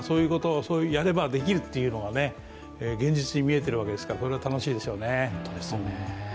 やればできるというのが現実に見えているわけですから、これは楽しいでしょうね。